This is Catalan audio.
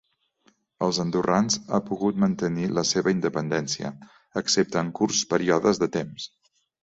Els andorrans ha pogut mantenir la seva independència, excepte en curts períodes de temps.